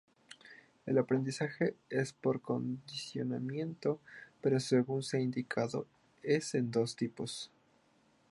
El aprendizaje es por condicionamiento, pero según se ha indicado es de dos tipos.